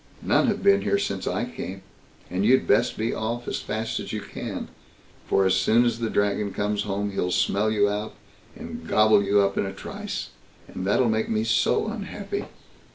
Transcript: None have been here since I came, and you'd best be off as fast as you can; for as soon as the Dragon comes home, he'll smell you out, and gobble you up in a trice, and that'll make me so unhappy."